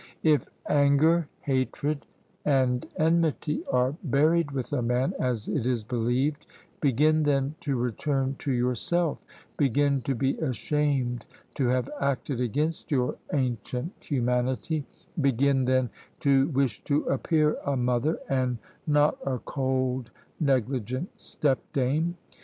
If anger, hatred, and enmity are buried with a man, as it is believed, begin then to return to yourself; begin to be ashamed to have acted against your ancient humanity; begin, then, to wish to appear a mother, and not a cold negligent step dame.